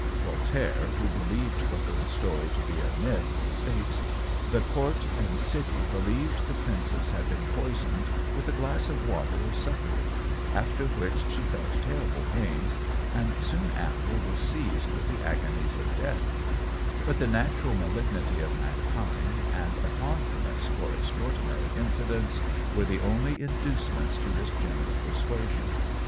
Voltaire, who believed the whole story to be a myth, states: "The court and city believed the princess had been poisoned with a glass of water of succory, after which she felt terrible pains, and soon after was seized with the agonies of death; but the natural malignity of mankind, and a fondness for extraordinary incidents, were the only inducements to this general persuasion.